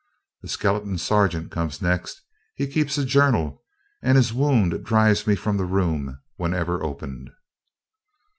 The skeleton sergeant comes next. He keeps a journal, and his wound drives me from the room, whenever opened.